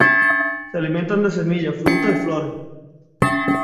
Se alimentan de semillas, frutas y flores.